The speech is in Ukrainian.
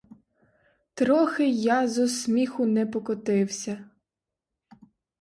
Трохи я зо сміху не покотився.